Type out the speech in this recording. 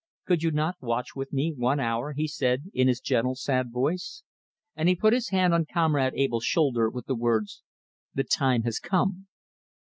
"Could you not watch with me one hour?" he said, in his gentle, sad voice; and he put his hand on Comrade Abell's shoulder, with the words: "The time has come."